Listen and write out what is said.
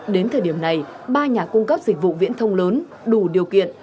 đến thời điểm này ba nhà cung cấp dịch vụ viễn thông lớn đủ điều kiện